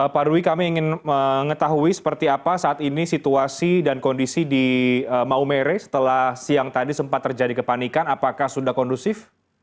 pak dwi kami ingin mengetahui seperti apa saat ini situasi dan kondisi di maumere setelah siang tadi sempat terjadi kepanikan apakah sudah kondusif